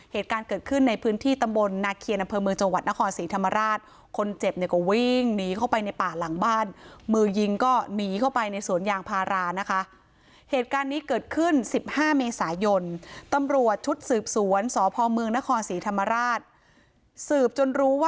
เหตุการณ์เกิดขึ้นในพื้นที่ตำบลนาเคียน